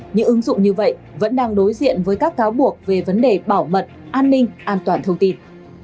những ứng dụng như vậy vẫn đang đối diện với các cáo buộc về vấn đề bảo mật an ninh an toàn thông tin